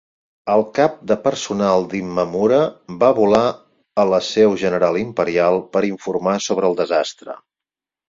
El cap de personal d'Imamura va volar a la seu general Imperial per informar sobre el desastre.